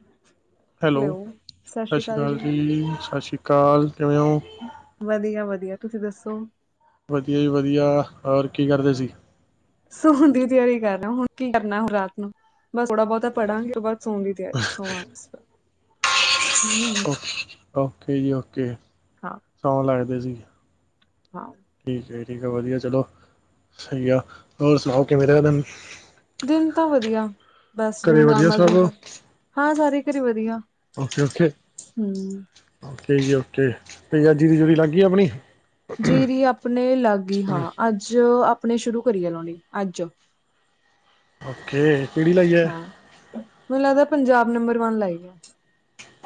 ਹਮ [unintelligible] hello, ਸਤਿ ਸ਼੍ਰੀ ਅਕਾਲ ਜੀ, ਸਤਿ ਸ਼੍ਰੀ ਅਕਾਲ, ਕਿਵੇਂ ਹੋ? ਵਧੀਆ--ਵਧੀਆ ਤੁਸੀ ਦੱਸੋ? ਵਧੀਆ ਜੀ ਵਧੀਆ ਹੋਰ ਕੀ ਕਰਦੇ ਸੀ ਸੋਣ ਦੀ ਤਿਆਰੀ ਕਰ ਰਿਹਾ ਹੁਣ ਕੀ ਕਰਨਾ ਰਾਤ ਨੂੰ ਬਸ ਥੋੜਾ ਬਹੁਤਾ ਪੜਾਂਗੇ ਬਸ ਸੋਣ ਦੀ ਤਿਆਰੀ ਸੋਣਾ ਬਸ ਓ ਓਕੇ ਜੀ ਓਕੇ ਹਾਂ-ਹਾਂ। ਸੌਣ ਲੱਗਦੇ ਸੀ ਠੀਕ ਹੈ ਜੀ ਠੀਕ ਹੈ ਵਧੀਆ ਚਲੋ ਸਹੀ ਆ ਹੋਰ ਸੁਣਾਓ ਕਿਵੇਂ ਰਿਹਾ ਦਿਨ ਦਿਨ ਤਾਂ ਵਧੀਆ ਬਸ ਘਰੇ ਜਿਵੇਂ ਵਧੀਆ ਨੋਰਮਲ ਸਭ ਦਿਨ ਦਾ ਹਾਂ ਸਾਰੀ [unintelligible] ਵਧੀਆ ਓਕੇ ਓਕੇ ਹੂੰ। ਓਕੇ ਜੀ ਓਕੇ ਠੀਕ ਆ ਜੀਰੀ ਜੁਰੀ ਲੱਗ ਗਈ ਆ ਆਪਣੀ ਜੀਰੀ ਆਪਣੇ ਲਾਗੀ ਹਾਂ ਅੱਜ ਆਪਣੇ ਸ਼ੁਰੂ ਕਰੀਏ ਲਾਉਣੀ ਅੱਜ ਓਕੇ ਕਿਹੜੀ ਲਾਈ ਹੈ ਹਾਂ ਮੈਨੂੰ ਲੱਗਦਾ ਪੰਜਾਬ ਨੰਬਰ ਵਨ ਲਾਈ ਆ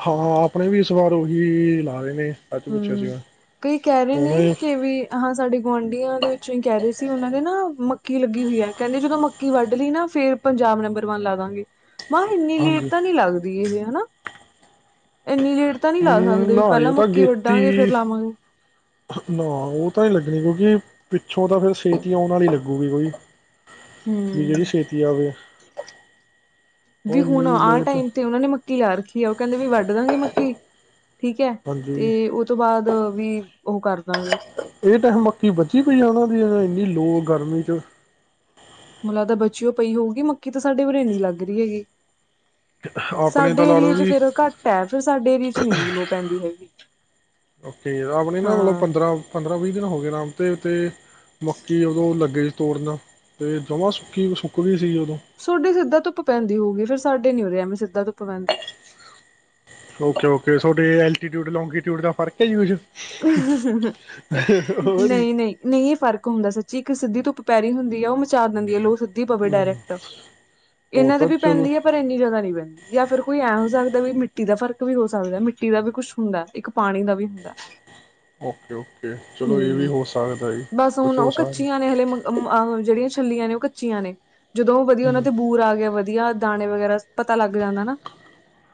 ਹਾਂ ਆਪਣੇ ਵੀ ਇਸ ਵਾਰ ਉਹੀ ਲਾ ਰਹੇ ਨੇ ਅੱਜ ਪੁੱਛਿਆ ਸੀ ਹੂੰ ਮੈਂ ਕਈ ਕਹਿ ਰਹੇ ਨੇ ਉਹਨੇ ਕਿ ਵੀ ਹਾਂ ਸਾਡੇ ਗੁਆਂਢੀਆਂ ਦੇ ਵਿੱਚੋਂ ਹੀ ਕਹਿ ਰਹੇ ਸੀ ਉਹਨਾਂ ਦੇ ਨਾ ਮੱਕੀ ਲੱਗੀ ਹੋਈ ਹੈ ਕਹਿੰਦੇ ਜਦੋਂ ਮੱਕੀ ਵੱਢ ਲਈ ਨਾ ਫੇਰ ਪੰਜਾਬ ਨੰਬਰ ਵਨ ਲਾਦਾਂਗੇ ਮਹਾ ਇੰਨੀ ਲੇਟ ਹਾਂਜੀ ਤਾਂ ਨਹੀਂ ਲੱਗਦੀ ਇਹ ਨਾ ਏਨੀ ਲੇਟ ਤਾਂ ਨਹੀਂ ਲਾ ਹਮ ਸਕਦੇ ਵੀ ਨਾ ਪਹਿਲਾਂ ਉਹ ਤਾਂ ਮੱਕੀ ਗੇਤੀ ਵੱਢਾਂਗੇ ਫੇਰ ਲਾਵਾਂਗੇ ਨਾ ਉਹ ਤਾਂ ਹੀ ਲੱਗਣੀ ਕਿਉਂਕਿ ਪਿੱਛੋਂ ਤਾਂ ਫਿਰ ਛੇਤੀ ਆਉਣ ਵਾਲੀ ਲੱਗੂਗੀ ਕੋਈ ਵੀ ਜਿਹੜੀ ਹੂੰ ਛੇਤੀ ਆਵੇ ਉਹ ਵੀ ਹੁਣ ਇੰਨੀ ਆਹ ਲੇਟ ਟਾਈਮ ਤੇ ਉਹਨਾਂ ਨੇ ਮੱਕੀ ਲਾ ਰੱਖੀ ਆ ਉਹ ਕਹਿੰਦੇ ਵੀ ਵੱਢ ਦਾਂਗੇ ਮੱਕੀ ਠੀਕ ਹੈ ਹਾਂਜੀ ਤੇ ਉਹ ਤੋਂ ਬਾਅਦ ਵੀ ਉਹ ਕਰ ਦਾਂਗੇ ਇਹ ਟਾਈਮ ਮੱਕੀ ਬਚੀ ਪਈ ਆ ਉਹਨਾਂ ਦੀ ਇੰਨੀ ਲੋ ਗਰਮੀ ਚ ਮੈਨੂੰ ਲੱਗਦਾ ਬਚੀਓ ਪਈ ਹੋਊਗੀ ਮੱਕੀ ਤਾਂ ਸਾਡੇ ਉਰੇ ਇਨੀ ਲੱਗ ਰਹੀ ਗੀ ਆਪਣੇ ਤਾਂ ਸਾਡੇ ਲਾ ਲਓ ਏਰੀਏ ਚ ਵੀ ਫੇਰ ਘੱਟ ਐ ਫਿਰ ਸਾਡੇ ਏਰੀਏ ਚ ਨੀ ਐਨੀ ਲੋ ਪੈਂਦੀ ਹੈਗੀ ਓਕੇ ਆਪਣੇ ਨਾ ਮਤਲਬ ਹਾਂ। ਪੰਦਰਾਂ ਪੰਦਰਾਂ ਵੀਹ ਦਿਨ ਹੋ ਗਏ ਰਾਮ ਤੇ ਤੇ ਮੱਕੀ ਉਦੋਂ ਲੱਗੇ ਸੀ ਤੋੜਨਾ ਤੇ ਜਮਾ ਸੁੱਕੀ ਸੁੱਕ ਗਈ ਸੀ ਉਦੋਂ ਤੁਹਾਡੀ ਸਿੱਧਾ ਧੁੱਪ ਪੈਂਦੀ ਹੋਊਗੀ ਫੇਰ ਸਾਡੇ ਨੀ ਉਰੇ ਐਵੇਂ ਸਿੱਧਾ ਧੁੱਪ ਪੈਂਦੀ ਓਕੇ ਓਕੇ ਤੁਹਾਡੇ ਐਲਟੀਟਿਊਡ ਲੋਂਗੀਟਿਊਡ ਦਾ ਫਰਕ ਹੋਰ ਹੀ ਨਹੀਂ ਨਹੀਂ ਨਹੀਂ ਇਹ ਫ਼ਰਕ ਹੁੰਦਾ ਸੱਚੀ ਇੱਕ ਸਿੱਧੀ ਤੋਂ ਪੈਰੀ ਹੁੰਦੀ ਹੈ ਉਹ ਮਚਾਅ ਦਿੰਦੀ ਹੈ ਲੋ ਸਿੱਧੀ ਪਵੇ ਡਾਇਰੈਕਟ ਉਹ ਇਹਨਾਂ ਤੇ ਤਾਂ ਵੀ ਚਲੋ ਪੈਂਦੀ ਹੈ ਪਰ ਇੰਨੀ ਜਿਆਦਾ ਨਹੀਂ ਪੈਂਦੀ ਜਾਂ ਫਿਰ ਕੋਈ ਐਂ ਹੋ ਸਕਦਾ ਵੀ ਮਿੱਟੀ ਦਾ ਫ਼ਰਕ ਵੀ ਹੋ ਸਕਦਾ ਮਿੱਟੀ ਦਾ ਵੀ ਕੁਛ ਹੁੰਦਾ ਇੱਕ ਪਾਣੀ ਦਾ ਵੀ ਹੁੰਦਾ ਓਕੇ ਓਕੇ ਚਲੋ ਇਹ ਵੀ ਹੂੰ ਹੋ ਸਕਦਾ ਜੀ ਬਸ ਹੁਣ ਕੁਛ ਹੋ ਉਹ ਕੱਚੀਆਂ ਸਕਦਾ ਨੇ ਹਲੇ ਜਿਹੜੀਆਂ ਛੱਲੀਆਂ ਨੇ ਉਹ ਕੱਚੀਆਂ ਨੇ ਜਦੋਂ ਉਹ ਵਧੀਆ ਉਹਨਾਂ ਤੇ ਬੂਰ ਆ ਗਿਆ ਵਧੀਆ ਵਧੀਆ ਦਾਣੇ ਵਗੈਰਾ ਪਤਾ ਲੱਗ ਜਾਂਦਾ ਨਾ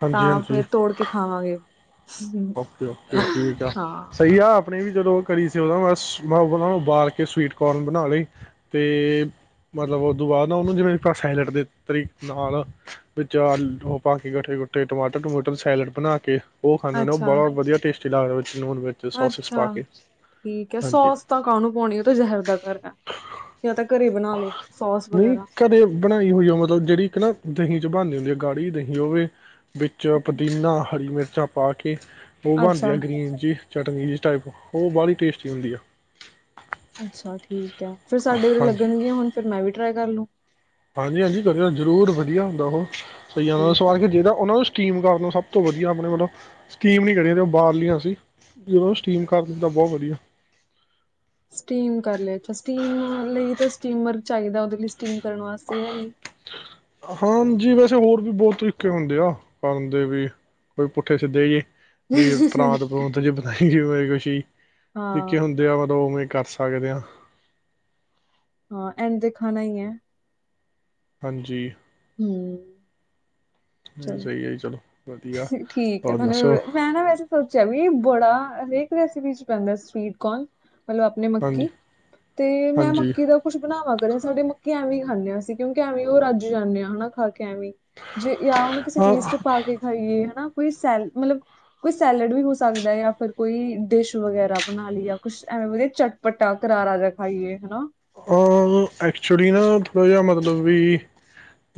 ਹਾਂਜੀ ਤਾਂ ਹਾਂਜੀ ਫੇਰ ਤੋੜ ਕੇ ਖਾਵਾਂਗੇ ਓਕੇ ਓਕੇ ਠੀਕ ਆ ਹਾਂ ਸਹੀ ਆ ਆਪਣੇ ਵੀ ਜਦੋਂ ਉਹ ਕਰੀ ਸੀ ਉਹਦਾ ਮਸ ਮੈਂ ਉਹਨਾਂ ਨੂੰ ਉਬਾਲ ਕੇ ਸਵੀਟ ਕੋਰਨ ਬਣਾ ਲਈ ਤੇ ਮਤਲਬ ਉਹਦੋਂ ਬਾਅਦ ਨਾ ਉਹਨੂੰ ਜਿਵੇਂ ਆਪ ਸੈਲਟ ਦੇ ਤਰੀ ਨਾਲ ਵਿੱਚ ਉਹ ਪਾ ਕੇ ਇਕੱਠੇ ਟਮਾਟਰ ਟਮੂਟਰ ਸੈਲਡ ਬਣਾ ਕੇ ਉਹ ਖਾਂਦੇੁੰ ਉਹ ਅੱਛਾ ਬੜਤ ਵਧੀਆ ਟੇਸਟੀ ਲਗਦਾਦੇ ਅੱਛਾ ਠੀਕ ਹੈ ਹਾਂਜੀ ਸੋਸ ਤਾਂ ਕਾਹਨੂੰ ਪਾਉਣੀ ਉਹ ਤਾਂ ਜ਼ਹਿਰ ਦਾ ਕਰ ਹੈ ਜਾਂ ਤਾਂ ਘਰੇ ਬਣਾ ਲੋ ਸੋਸ ਨਹੀਂ ਵਗੈਰਾ ਘਰੇ ਬਣਾਈ ਹੋਈ ਉਹ ਮਤਲਬ ਜਿਹੜੀ ਇੱਕ ਨਾ ਦਹੀਂ ਚ ਬਣਦੀ ਹੁੰਦੀ ਆ ਗਾੜੀ ਦਹੀਂ ਉਹਵੇ ਵਿੱਚ ਪੁਦੀਨਾ ਹਰੀ ਮਿਰਚਾਂ ਪਾ ਕੇ ਉਹ ਅੱਛਾ ਬਣਦੀਆਂ ਗ੍ਰੀਨ ਜੀ ਚਟਨੀ ਜ ਟਾਈਪ ਉਹ ਬਾਹਲੀ ਟੇਸਟੀ ਹੁੰਦੀ ਆ ਅੱਛਾ ਠੀਕ ਹੈ ਫਿਰ ਸਾਡੇ ਉਰੇ ਹਾਂਜੀ, ਲੱਗਣਗੀਆਂ ਹੁਣ ਫਿਰ ਮੈਂ ਵੀ ਟਰਾਈ ਕਰ ਲੂੰ ਹਾਂਜੀ ਹਾਂਜੀ ਕਰਿਓ ਜ਼ਰੂਰ ਵਧੀਆ ਹੁੰਦਾ ਉਹ ਸਹੀ ਆ ਠੀਕ ਹੈ ਸਵਾਰ ਜਿਹਦਾ ਉਹਨਾਂ ਨੂੰ ਸਟੀਮ ਕਰਨ ਨੂੰ ਸਭ ਤੋਂ ਵਧੀਆ ਆਪਣੇ ਮਤਲਬ ਸਟੀਮ ਨੀ ਕਰੀਆਂ ਉਬਾਲ ਲਈਆਂ ਸੀ ਜੇ ਓਹਨੂੰ ਸਟੀਮ ਕਰ ਦਿੰਦਾ ਬਹੁਤ ਵਧੀਆ ਸਟੀਮ ਕਰ ਲਿਆ ਸਟੀਮ ਲਈ ਤਾਂ ਸਟੀਮਰ ਚਾਹੀਦਾ ਉਹਦੇ ਲਈ ਸਟੀਮ ਕਰਨ ਵਾਸਤੇ ਯਾ ਨੀ ਜੀ ਵੈਸੇ ਹੋਰ ਵੀ ਬਹੁਤ ਤਰੀਕੇ ਹੁੰਦੇ ਆ ਕਰਨ ਦੇ ਵੀ ਕੋਈ ਪੁੱਠੇ ਸਿੱਧੇ ਜੇ ਵੀ ਨਹੀਂ ਪ੍ਰਾਂਤ ਪ੍ਰੂਤ ਚ ਬਣਾਈ ਗ ਮਰੇ ਕੁਛ ਨਿੱਕੇ ਹਾਂ ਹੁੰਦੇ ਆ ਮਤਲਬਵੇਂ ਕਰ ਸਕਦੇ ਆ ਹਾਂ ਐਡਂ ਤੇ ਖਾਣਾ ਇਐ ਹਾਂਜੀ [inaudible] ਨਹੀਂ ਚਲੋ ਸਹੀ ਹੈ ਜੀ ਚਲੋ ਵਧੀਆ ਠੀਕ ਹੈ ਹੋਰ ਤੁਹਾਨੂੰ ਦੱਸੋ ਮੈਂ ਨਾ ਵੈਸੇ ਸੋਚਿਆ ਵੀ ਬੜਾ ਹਰੇਕ ਰੈਸਿਪੀ ਚ ਪੈਂਦਾ ਸਵੀਟਕੋਨ ਮਤਲਬ ਆਪਣੇ ਹਾਂਜੀ ਮੱਕੀ ਤੇ ਮੈਂ ਹਾਂਜੀ ਮੱਕੀ ਦਾ ਕੁੱਛ ਬਣਾਵਾਂ ਕਰ ਸਾਡੇ ਮੱਕੀ ਐਵੇਂ ਖਾਂਦੇ ਹਾਂਸੀਂ ਕਿਉਂਕਿ ਐਵੇਂ ਉਹ ਰੱਜ ਜਾਂਦੇ ਹਾਂ ਹਨਾ ਖਾ ਕੇ ਐਵੇਂ ਜੇ ਜਾਂ ਉਹਨੂੰ ਕਿਸੇ ਹਾਂ ਚੀਜ਼ ਚ ਪਾ ਕੇ ਖਾਈਏ ਹਨਾ ਕੋਈ ਸੈ ਮਤਲਬ ਕੋਈ ਸੈਲਡ ਵੀ ਹੋ ਸਕਦਾ ਜਾਂ ਫਿਰ ਕੋਈ ਡਿਸ਼ ਵਗੈਰਾ ਬਣਾ ਲਈ ਜਾਂ ਕੁਛ ਐਵੇਂ ਚਟਪਟਾ ਕਰਾਰਾ ਜਾ ਖਾਈਏ ਹਨਾ ਹਾਂ ਐਕਚੁਲੀ ਨਾ ਥੋੜ੍ਹਾ ਜਿਆ ਮਤਲਬ ਵੀ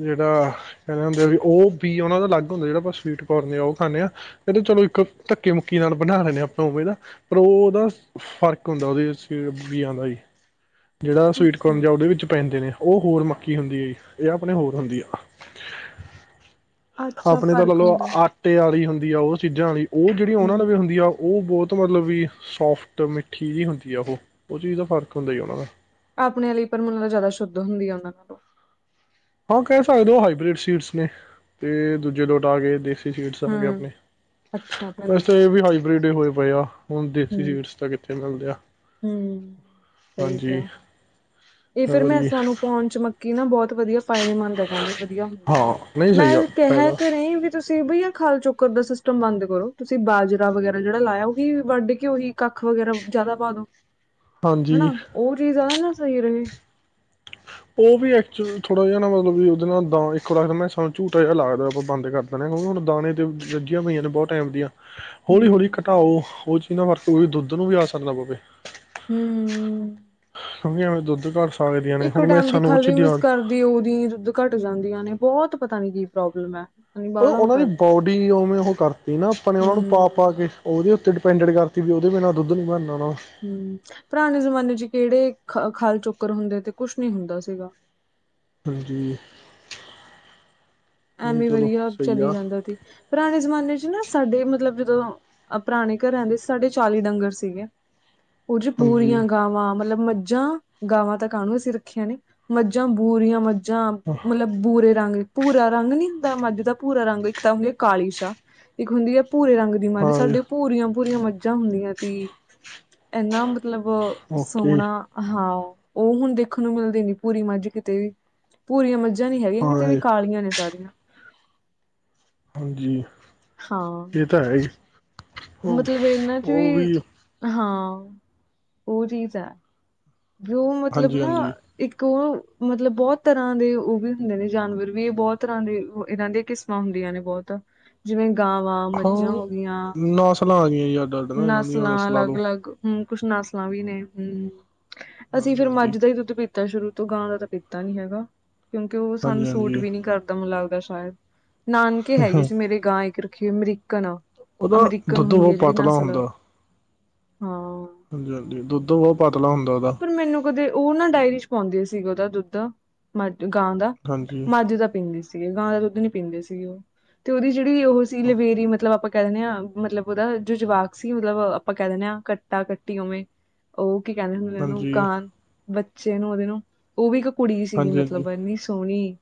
ਜਿਹੜਾ ਕਹਿੰਦੇ ਹੁੰਦੇ ਵੀ ਉਹ ਪਿਓ ਉਹਨਾ ਦਾ ਅਲੱਗ ਹੁੰਦਾ ਜਿਹੜਾ ਆਪਾਂ ਸਵੀਟਕਰਨ ਆ ਉਹ ਖਾਂਦੇ ਹਾਂ ਇਹਦੇ ਚਲੋ ਇੱਕ ਧੱਕੇ ਮੁੱਕੀ ਨਾਲ ਬਣਾ ਲੈਂਨੇ ਆ ਨਾ ਆਪਾਂ ਓਵੇਂ ਨਾ ਪਰ ਓਦਾ ਫ਼ਰਕ ਹੁੰਦਾ ਓਦੇ ਵਿਚ ਵੀ [inaudible] [inaudible] ਜੇੜਾ ਅੱਛਾ ਸਵੀਟਕਰਨ ਜਾਂ ਓਦੇ ਵਿੱਚ ਪੈਂਦੇ ਨੇ ਓ ਹੋਰ ਮੱਕੀ ਹੁੰਦੀ ਐ ਜੀ ਏ ਆਪਣੇ ਹੋਰ ਹੁੰਦੀ ਆ। ਅੱਛਾ ਆਪਣੇ ਤਾਂ ਲਾ ਫ਼ਰਕ ਲਓ ਹੁੰਦਾ ਆਟੇ ਆਲੀ ਹੁੰਦੀ ਆ ਓ ਚੀਜ਼ਾਂ ਆਲੀ ਓ ਜੇੜੀ ਹੂੰ ਓਨਾਂ ਲਵੇ ਹੁੰਦੀ ਆ ਓ ਬੋਤ ਮਤਲਬ ਵੀ ਸੋਫਟ ਮਿੱਠੀ ਜੀ ਹੁੰਦੀ ਆ ਓਹ ਓ ਚੀਜ਼ ਦਾ ਫ਼ਰਕ ਹੁੰਦਾ ਓਨਾਂ ਦਾ ਆਪਣੇ ਲਈ ਪਰ ਮੈਨੂੰ ਲਗਦਾ ਜ਼ਿਆਦਾ ਸ਼ੁੱਧ ਹੁੰਦੀ ਆ ਓਨਾਂ ਤੋਂ ਹਾਂ ਕਿ ਸਕਦੇ ਹੋ ਹਾਈਬ੍ਰਿਡ ਸੀਡਸ ਨੇ ਤੇ ਦੂਜੇ ਲੋਟ ਆ ਗਏ ਦੇ ਹੂੰ ਆਪਣੇ ਅੱਛਾ ਆਪਣੇ ਵੈਸੇ ਤਾਂ ਦੇਸੀ ਏ ਵੀ ਸਵੀਟਸ ਹਾਈਬ੍ਰਿਡ ਹੀ ਹੋਏ ਪਏ ਆ ਹੁਣ ਹੂੰ ਦੇਸੀ ਸੀਡਸ ਤਾਂ ਕਿੱਥੇ ਮਿਲਦੇ ਆ ਹੂੰ ਸਈ ਹਾਂਜੀ ਕਿਆ ਏ ਫਿਰ ਹਾਂਜੀ ਬੈਸਾਂ ਨੂੰ ਪੌਣ ਚ ਮੱਕੀ ਨਾ ਬੋ ਵਧੀਆ ਫਾਇਦੇਮੰਦ ਐ ਕੈਦੇ ਵਧੀਆ ਹੁੰਦੀ ਆ ਹਾਂ ਨਹੀਂ ਮੈਂ ਸਹੀ ਆ ਕਿਹਾ ਫਾਇਦਾ ਘਰੇ ਵੀ ਤੁਸੀਂ ਤੁਸੀਂ ਬਈਆ ਖਾਲ ਚੋੱਕਰ ਦਾ ਸਿਸਟਮ ਬੰਦ ਕਰੋ ਤੁਸੀਂ ਬਾਜਰਾ ਵਗੈਰਾ ਜੇੜਾ ਲਾਇਆ ਓਹੀ ਵੱਢ ਕੇ ਓਹੀ ਕੱਖ ਵਗੈਰਾ ਜਾਦਾ ਪਾ ਦੋ ਹਨਾ ਹਾਂਜੀ ਓ ਚੀਜ਼ ਦਾ ਨਾ ਸਹੀ ਰਹੇ ਓ ਵੀ ਐਕਚਲ ਥੋੜਾ ਜਾ ਨਾ ਮਤਲਬ ਵੀ ਓਦੇ ਨਾਲ ਦਾ ਇੱਕੋ ਲੱਖਤ ਮੈਂਸਾਂ ਨੂੰ ਝੂਟਾ ਜਾ ਲੱਗਦਾ ਆਪਾ ਬੰਦ ਕਰ ਦਨੇ ਆ ਓਨੂੰ ਹੁਣ ਦਾਣੇ ਤੇ ਵੱਝੀਆਂ ਹੋਈਆਂ ਨੇ ਬੋਤ ਟੈਮ ਦੀਆਂ। ਹੌਲੀ-ਹੌਲੀ ਹੂੰ ਘਟਾਓ ਓ ਚੀਜ਼ ਨਾ ਵਰਤ ਕੋ ਵੀ ਦੁੱਧ ਨੂੰ ਵੀ ਆ ਅਸਰ ਨਾ ਪਵੇ। ਹੂੰ ਕਿਉਂਕਿ ਐਵੇਂ ਦੁੱਧ ਘਟ ਸਕਦੀਆਂ ਨੇ ਇੱਕੋ ਹੁਣ ਮੈਂ ਟਾਈਮ ਦੀ ਸਾਨੂੰ ਉਹ ਖਲ ਵੀ ਚੀਜ਼ ਦੀ ਮਿਕਿਸ ਆਦਤ ਕਰਦੀ ਓਦੀ ਦੁੱਧ ਘੱਟ ਜਾਂਦੀਆਂ ਨੇ ਬੋਹਤ ਪਤਾ ਨੀ ਕੀ ਪ੍ਰੋਬਲਮ ਐ ਓ ਓਨਾਂ ਦੀ ਬੋਡੀ ਉਵੇਂ ਓਹ ਕਰਤੀ ਨਾ ਆਪਾਂ ਨੇ ਓਨਾ ਨੂੰ ਹੂੰ ਪਾ-ਪਾ ਕੇ ਓਦੇ ਵੀ ਡਪੈਂਡਿਡ ਕਰਤੀ ਵੀ ਓਦੇ ਬਨਾਂ ਦੁੱਧ ਨੀ ਬਣ ਹੂੰ ਪੁਰਾਣੇ ਜ਼ਮਾਨੇ ਚ ਕਿਹੜੇ ਖ ਖੱਲ ਚੋਕਰ ਹੁੰਦੇ ਤੇ ਕੁੱਛ ਨੀ ਹੁੰਦਾ ਸੀਗਾ। ਹਾਂਜੀ। ਨਹੀਂ ਐਵੇਂ ਚਲੋ ਵਧੀਆ ਸਹੀ ਚਲੀ ਆ ਜਾਂਦਾ ਤੀ ਪੁਰਾਣੇ ਜ਼ਮਾਨੇ ਚ ਨਾ ਸਾਡੇ ਮਤਲਬ ਜਦੋਂ ਪੁਰਾਣੇ ਘਰਾਂ ਦੇ ਸਾਡੇ ਚਾਲੀ ਡੰਗਰ ਸੀਗੇ। ਉਂਝ ਹਾਂਜੀ ਬੂਰੀਆਂ ਗਾਵਾਂ ਮਤਲਬ ਮੱਝਾਂ ਗਾਵਾਂ ਤਾਂ ਕਾਹਨੂੰ ਅਸੀਂ ਰੱਖੀਆਂ ਨੇ ਮੱਝਾਂ, ਬੂਰੀਆਂ ਮੱਝਾਂ ਜਾਂ ਮਤਲਬ ਬੁਰੇ ਰੰਗ ਭੂਰਾ ਰੰਗ ਨੀ ਹੁੰਦਾ ਮੱਝ ਦਾ ਭੂਰਾ ਰੰਗ ਇੱਕ ਤਾਂ ਹੁੰਦੀ ਹੈ ਕਾਲੀ ਸ਼ਾ ਇੱਕ ਹੁੰਦੀ ਆ ਭੂਰੇ ਰੰਗ ਦੀ ਮੱਝ ਹਾਏ ਸਾਡੇ ਭੂਰੀਆਂ-ਭੂਰੀਆਂ ਮੱਝਾਂ ਹੁੰਦੀਆਂ ਤੀ ਏਨਾ ਮਤਲਬ ਓਕੇ ਸੋਹਣਾ ਹਾਂ ਓ ਹੁਣ ਦੇਖਣ ਨੂੰ ਮਿਲਦੇ ਨੀ ਭੂਰੀ ਮੱਝ ਕਿਤੇ ਵੀ ਭੂਰੀਆਂ ਮੱਝਾਂ ਨੀ ਹੈਗੀਆਂ ਕਿਤੇ ਵੀ ਹਾਏ ਕਾਲੀਆਂ ਨੇ ਸਾਰੀਆਂ। ਜੀ ਹਾਂ ਉਹ ਤਾਂ ਹੈ ਈ। ਮਤਲਬ ਏਨਾਂ ਚ ਵੀ ਹਾਂ ਓਹ ਚੀਜ਼ ਐ। ਵੀ ਓਹ ਮਤਲਬ ਹਾਂਜੀ ਨਾ ਹਾਂਜੀ ਇੱਕ ਓਹ ਮਤਲਬ ਬੋਤ ਤਰ੍ਹਾਂ ਦੇ ਓਹ ਵੀ ਹੁੰਦੇ ਨੇਪ ਜਾਨਵਰ ਵੀ ਏ ਬੋਤ ਤਰ੍ਹਾਂ ਦੇ ਏਨਾਂ ਦੀਆਂ ਕਿਸਮਾਂ ਹੁੰਦੀਆਂ ਨੇ ਬਹੁਤ ਜਿਵੇਂ ਗਾਵਾਂ ਹਾਂ ਮੱਝਾਂ ਹੋ ਗੀਆਂ ਨਸਲਾਂ ਆ ਗਈਆਂ ਜੀ ਅੱਡ ਅੱਡ ਨਾ ਇਹਨਾਂ ਦੀਆਂ ਨਸਲਾਂ ਤੋਂ ਅਲੱਗ-ਅਲੱਗ ਹੂੰ ਕੁੱਛ ਨਸਲਾਂ ਵੀ ਨੇ ਹੂੰ ਅਸੀਂ ਹਾਂਜੀ ਫੇਰ ਹਾਂਜੀ ਮੱਝ ਦਾ ਹੀ ਦੁੱਧ ਪੀ ਤੇ ਸ਼ੁਰੂ ਤੋਂ ਗਾਂ ਦਾ ਤਾਂ ਪੀਤਾ ਨੀ ਹੈਗਾ, ਕਿਉਂਕਿ ਓ ਸਾਨੂੰ ਹਾਂਜੀ ਸੂਟ ਹਾਂਜੀ ਵੀ ਨੀ ਕਰਦਾ ਮਤਲਬ। ਦਾ ਸ਼ਾਇਦ ਨਾਨਕੇ ਹੈਗੀ ਸੀ ਮੇਰੇ ਗਾਂ ਇੱਕ ਰੱਖੀ ਹੋਈ ਅਮਰੀਕਨ ਆ। ਉਹਦਾ ਅਮਰੀਕਨ ਦੁੱਧ ਹੁੰਦੀ ਹੈ ਬਹੁਤ ਜਿਹੜੀ ਪਤਲਾ ਨਸਲ। ਹਾਂ। ਹਾਂਜੀ-ਹਾਂਜੀ ਦੁੱਧ ਬਹੁ ਪਤਲਾ ਹੁੰਦਾ ਉਹਦਾ। ਓ ਨਾ ਡਾਇਰੀ ਚ ਪਾਉਂਦੇ ਸੀ ਓਦਾ ਦੁੱਧ ਮੱ ਗਾਂ ਦਾ ਹਾਂਜੀ ਮੱਝ ਦਾ ਪੀਂਦੇ ਸੀ। ਸੀਗੇ ਗਾਂ ਦਾ ਦੁੱਧ ਨੀ ਪੀਂਦੇ ਸੀਗੇ ਉਹ ਤੇ ਜਿਹੜੀ ਓਹ ਸੀ ਲਵੇਰੀ ਮਤਲਬ ਆਪਾਂ ਕੈ ਦਿੰਨੇ ਆ ਮਤਲਬ ਉਹਦਾ ਜੋ ਜਵਾਕ ਸੀ ਮਤਲਬ ਆਪਾਂ ਕੈ ਦਿੰਨੇ ਹਾਂ ਕੱਟਾ ਕੱਟੀ ਉਵੇਂ ਓਹ ਕੀ ਕਹਿ ਉਹਨੂੰ ਹਾਂਜੀ ਗਾਂ ਬੱਚੇ ਨੂੰ ਉਹਦੇ ਨੂੰ ਉਹ ਵੀ ਇੱਕ ਕੁੜੀ ਸੀਗੀ ਹਾਂਜੀ ਹਾਂਜੀ ਮਤਲਬ ਇੰਨੀ ਸੋਹਣੀ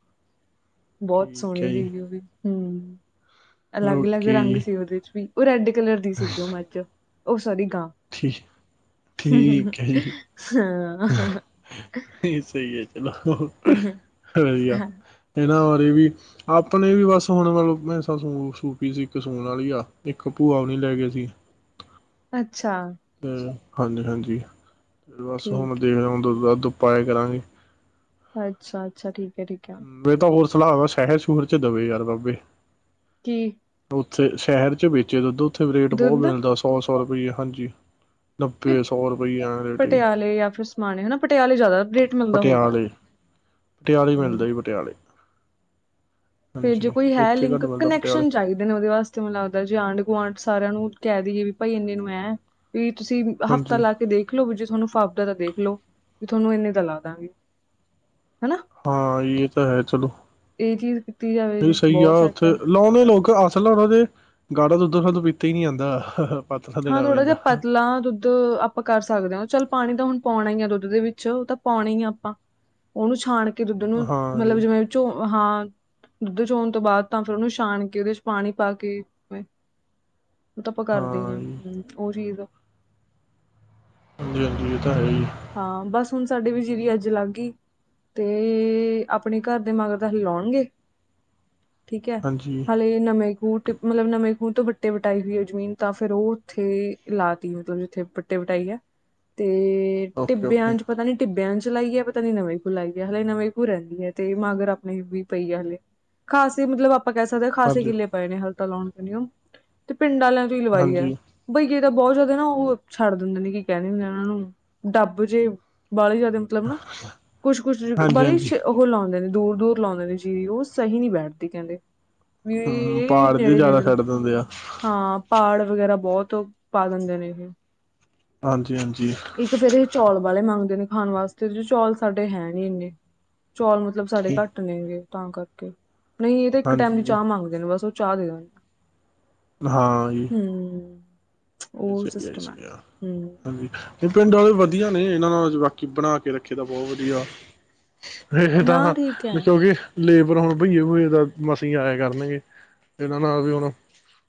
ਬਹੁਤ ਠੀਕ ਸੋਹਣੀ ਹੈ ਜੀ ਦੀ ਉਹ ਵੀ ਹੂੰ ਅਲੱਗ- ਅਲੱਗ ਓਕੇ ਰੰਗ ਜੀ ਸੀ ਉਹਦੇ ਚ ਵੀ ਉਹ ਰੈਡ ਕਲਰ ਦੀ ਸੀਗੀ ਉਹ ਮੱਝ ਉਹ ਸੌਰੀ ਗਾਂ। ਠੀਕ ਠੀਕ ਹੈ ਹਾਂ, ਸਹੀ ਹੈ ਚਲੋ ਵਧੀਆ ਹਾਂ ਇਹ ਨਾਂ ਵੀ ਆਪਣੇ ਵੀ ਬਸ ਹੁਣ ਮਤਲਬ ਮੈਸਾ ਸੂ ਪਈ ਸੀ ਇੱਕ ਸੂਨ ਵਾਲੀ ਆ ਇੱਕ ਭੂਆ ਹੋਣੀ ਲੈ ਗਏ ਸੀ। ਅੱਛਾ, ਤੇ ਹਾਂਜੀ- ਹਾਂਜੀ ਤੇ ਬਸ ਹੁਣ ਠੀਕ ਦੇਖਦਾ ਹੁਣ ਦੁੱਧ ਦੱਧ ਤੋ ਪਾਏ ਕਰਾਂਗੇ। ਅੱਛਾ -ਅੱਛਾ ਠੀਕ। ਹੈ ਠੀਕ ਹੈ ਮੈਂ ਤਾਂ ਹੋਰ ਸਲਾਹ ਵਾਂ ਸ਼ਹਿਰ ਸ਼ੂਹਰ ਚ ਦਵੇ ਯਾਰ ਬਾਬੇ। ਕੀ ਉੱਥੇ ਸ਼ਹਿਰ ਚ ਵੇਚੇ ਦੁੱਧ ਉੱਥੇ ਰੇਟ ਬਹੁਤ ਦੁੱਧ ਮਿਲਦਾ ਸੌ- ਸੌ ਰੁਪਈਏ ਹਾਂਜੀ। ਫਿਰ ਨੱਬੇ ਸੌ ਰੁਪਈਏ ਐ ਰੇਟ ਈ ਪਟਿਆਲੇ ਜਾਂ ਫਿਰ ਸਮਾਣੇ ਹਨਾ ਪਟਿਆਲੇ ਜ਼ਿਆਦਾ ਰੇਟ ਮਿਲਦਾ ਹੋਊਗਾ ਪਟਿਆਲੇ। ਪਟਿਆਲੇ ਮਿਲਦਾ ਜੀ ਪਟਿਆਲੇ। ਫੇਰ ਜੇ ਹਾਂਜੀ ਕੋਈ ਹੈ ਇੱਥੇ ਲਿੰਕ ਘੱਟ ਮਿਲਦਾ ਪਟਿਆਲੇ ਕਨੈਕਸ਼ਨ ਚਾਹੀਦੇ ਨੇ ਉਹਦੇ ਵਾਸਤੇ ਮੈਨੂੰ ਲੱਗਦਾ ਜੇ ਆਂਢ -ਗੁਆਂਢ ਚ ਸਾਰਿਆਂ ਨੂੰ ਕਹਿ ਦੇਈਏ ਵੀ ਭਾਈ ਇੰਨੇ ਨੂੰ ਐਂ ਵੀ ਤੁਸੀਂ ਹਫ਼ਤਾ ਹਾਂਜੀ ਲਾ ਕੇ ਦੇਖਲੋ ਵੀ ਜੇ ਤੁਹਾਨੂੰ ਫ ਤਾਂ ਦੇਖ ਲੋ ਵੀ ਤੁਹਾਨੂੰ ਇੰਨੇ ਦਾ ਲਾਦਾਂਗੇ। ਹਾਂ ਇਹ ਤਾਂ ਹੈ ਚਲੋ ਇਹ ਚੀਜ਼ ਕੀਤੀ ਜਾਵੇ ਇਹ ਜੇ ਸਹੀ ਆ ਬਹੁਤ ਸੈੱਟ ਹੈ ਉੱਥੇ ਲਾਉਣੇ ਲੋਕ ਅਸਲ ਉਹਨਾਂ ਦੇ ਗਾੜਾ ਦੁੱਧ ਪੀਤਾ ਹੀ ਨੀ ਜਾਂਦਾ। ਹਾਂ ਥੋੜਾ ਜਿਹਾ ਪਤਲਾ ਦੁੱਧ ਆਪਾਂ ਕਰ ਸਕਦੇ ਹਾਂ ਚੱਲ ਪਾਣੀ ਤਾਂ ਹੁਣ ਪਾਉਣਾ ਹੀ ਆ ਦੁੱਧ ਦੇ ਵਿੱਚ ਉਹ ਤਾਂ ਪਾਉਣਾ ਹੀ ਆ ਆਪਾਂ ਉਹਨੂੰ ਛਣ ਕੇ ਕਿ ਦੁੱਧ ਨੂੰ ਹਾਂ ਮਤਲਬ, ਜੀ ਜਿਵੇਂ ਓਹਦੇ ਚ ਹਾਂ। ਦੁੱਧ ਚੋਣ ਤੋਂ ਬਾਅਦ ਤਾਂ ਫਿਰ ਉਹਨੂੰ ਛਾਣ ਕੇ ਉਹਦੇ ਚ ਪਾਣੀ ਪਾ ਕੇ ਧੁੱਪ ਕਰਦੀ ਹਾਂ ਆ। ਜੀ ਓਹੀ ਦਾ ਹਾਂਜੀ ਹਾਂਜੀ ਇਹ ਤਾਂ ਹੈ ਹੀ ਹਾਂ। ਬਸ ਹੁਣ ਸਾਡੀ ਝੀਰੀ ਅੱਜ ਲੱਗ ਗਈ ਤੇ ਆਪਣੇ ਘਰ ਦੇ ਮਗਰ ਤਾਂ ਅਸੀ ਲਾਉਣਗੇ ਠੀਕ ਹੈ ਹਾਂਜੀ ਹਾਲੇ ਨਵੇਂ ਖੂਹ ਮਤਲਬ ਨਵੇਂ ਖੂਹ ਤੋਂ ਬੱਟੇ ਵਟਾਈ ਹੋਈ ਹੈ ਜਮੀਨ ਤਾਂ ਫੇਰ ਉਹ ਉੱਥੇ ਲਾ ਤੀ ਮਤਲਬ ਜਿੱਥੇ ਬੱਟੇ ਵਟਾਈ ਆ ਤੇ ਓਕੇ ਟਿੱਬਿਆਂ ਓਕੇ ਚ ਪਤਾ ਨੀ ਟਿੱਬਿਆਂ ਚ ਚਲਾਈਏ ਪਤਾ ਨੀ ਨਵੇਂ ਖੁ ਲਾਈ ਹੈ ਹਾਲੇ ਨਵੇਂ ਖੂ ਰਹਿੰਦੀ ਹੈ ਤੇ ਮਾਗਰ ਆਪਣੀ ਵੀ ਪਈ ਹੈ ਹਾਲੇ ਖਾਸੀ ਮਤਲਬ ਆਪ ਆਪਾਂ ਕਹਿ ਸਕਦੇ ਹਾਂ ਖਾਸੇ ਹਾਂਜੀ ਕਿੱਲੇ ਪਏ ਨੇ ਹਲ ਤਾਂ ਲਾਉਣ ਕਦੇ ਤੇ ਪਿੰਡ ਵਾਲਿਆਂ ਤੋਂ ਹੀ ਲਵਾਈ ਹੈ। ਹਾਂਜੀ ਬਈਏ ਤਾਂ ਬਹੁਤ ਜ਼ਿਆਦਾ ਨਾ ਉਹ ਛੱਡ ਦਿੰਦੇ ਨੇ ਕੀ ਕਹਿੰਦੇ ਹੁੰਦੇ ਉਹਨਾਂ ਨੂੰ ਡੱਬ ਜੇ ਬਾਹਲੀ ਜਿਆਦੇ ਮਤਲਬ ਨਾ ਕੁਛ ਕੁਛ ਹਾਂਜੀ ਬਾਹਲੀ ਹਾਂਜੀ ਉਹ ਲਾਉਂਦੇ ਨੇ ਦੂਰ ਦੂਰ ਲਾਉਂਦੇ ਨੇ ਜੀ ਉਹ ਸਹੀ ਨੀ ਬੈਠਦੀ ਕਹਿੰਦੇ ਵੀ ਹੂੰ ਇਹ ਪਹਾੜ ਜੇ ਨੇੜੇ ਜ਼ਿਆਦਾ ਨੇੜੇ ਛੱਡ ਦਿੰਦੇ ਆ ਹਾਂ। ਪਾੜ ਵਗੈਰਾ ਬਹੁਤ ਪਾ ਦਿੰਦੇ ਨੇ ਇਹ ਹਾਂਜੀ ਹਾਂਜੀ। ਇੱਕ ਫੇਰ ਇਹ ਚੌਲ ਵਾਲੇ ਮੰਗਦੇ ਨੇ ਖਾਣ ਵਾਸਤੇ ਜ ਚੌਲ ਸਾਡੇ ਹੈ ਨੀ ਇੰਨੇ ਚੌਲ ਮਤਲਬ ਸਾਡੇ ਘੱਟ ਨੇਗੇ ਤਾਂ ਕਰਕੇ ਨਹੀਂ ਇਹ ਤਾਂ ਇੱਕ ਟਾਈਮ ਦੀ ਹਾਂਜੀ ਚਾਹ ਮੰਗਦੇ ਨੇ ਬਸ ਉਹ ਚਾਹ ਦੇਂਦਾ। ਹਾਂ ਜੀ ਉਹ ਸਹੀ ਹੈ, ਸਿਸਟਮ ਸਹੀ ਹੈ, ਹੂੰ ਹਾਂਜੀ ਪਿੰਡ ਵਾਲੇ ਵਧੀਆ ਨੇ ਇਹਨਾਂ ਨਾਲ ਬਾਕੀ ਬਣਾ ਕੇ ਰੱਖੀ ਦਾ ਬਹੁਤ ਵਧੀਆ ਇਹ ਨਾ ਤਾਂ ਠੀਕ ਹੈ ਦੇਖੋ ਕਿਉਂਕਿ ਲੇਬਰ ਹੁਣ ਬਈਏ ਬੁਏ ਦਾ ਮਸੀਂ ਆਇਆ ਕਰਨਗੇ ਇਹਨਾਂ ਨਾਲ ਵੀ ਹੁਣ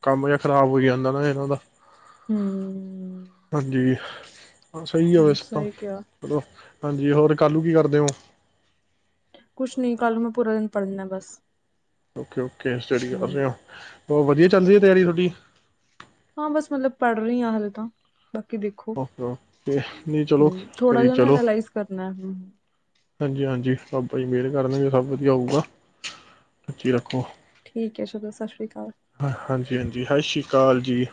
ਕੰਮ ਜਿਹਾ ਖ਼ਰਾਬ ਹੋ ਜਾਂਦਾ ਨਾ ਇਹਨਾਂ ਦਾ ਹੂੰ ਹਾਂਜੀ। ਸਹੀ ਆ ਹੂੰ, ਵੈਸੇ ਤਾਂ ਸਹੀ ਕਿਹਾ ਚਲੋ ਹਾਂਜੀ ਹੋਰ ਕੱਲ ਨੂੰ ਕੀ ਕਰਦੇ ਓ। ਕੁਛ ਨਹੀਂ ਕੱਲ ਮੈਂ ਪੂਰਾ ਦਿਨ ਪੜ੍ਹਨਾ ਬਸ ਓਕੇ ਓਕੇ ਸਟੱਡੀ ਕਰ ਹੂੰ ਰਹੇ ਹੋ ਹੋਰ ਵਧੀਆ ਚੱਲਦੀ ਹੈ ਤਿਆਰੀ ਤੁਹਾਡੀ ਹਾਂ। ਬਸ ਮਤਲਬ ਪੜ੍ਹ ਰਹੀ ਹਾਂ ਹਲੇ ਤਾਂ ਬਾਕੀ ਦੇਖੋ ਓਕੇ ਓਕੇ ਨਹੀਂ ਚਲੋ ਹੂੰ ਥੋੜਾ ਕਰੀ ਜਿ ਨਾ ਚਲੋ ਐਨਾਾਲਈਜ਼ ਕਰਨਾ ਹੂ ਹਾਂਜੀ ਹਾਂਜੀ ਰੱਬ ਜੀ ਮਿਹਰ ਕਰ ਦੇਣਗੇ ਸਭ ਵਧੀਆ ਹੋਊਗਾ ਸੱਚੀ ਰੱਖੋ ਠੀਕ ਹੈ ਚਲੋ। ਸਤਿ ਸ੍ਰੀ ਅਕਾਲ ਹਾਂਜੀ। ਹਾਂਜੀ ਸਤਿ ਸ਼੍ਰੀ ਅਕਾਲ ਜੀ